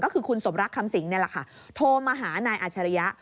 คุณสมรักคำสิงฯโทรมาหานายอัชริยะ